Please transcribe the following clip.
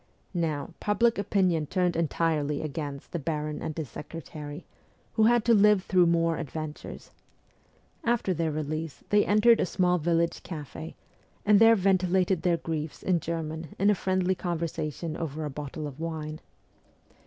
Now public opinion turned entirely against the baron and his secretary, who had to live through more adventures. After their release they entered a small village cafe, and there ventilated their griefs in German in a friendly conversation over a bottle of wine.